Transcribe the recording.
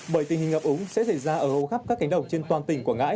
bởi tình hình ngập úng sẽ xảy ra ở hầu khắp các cánh đồng trên toàn tỉnh quảng ngãi